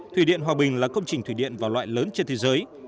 thủy điện hòa bình là công trình thủy điện và loại lớn trên thế giới